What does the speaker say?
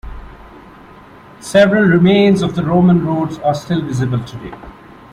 Several remains of the Roman roads are still visible today.